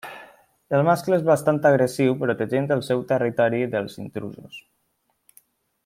El mascle és bastant agressiu protegint el seu territori dels intrusos.